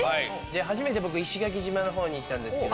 初めて僕石垣島のほうに行ったんですけど。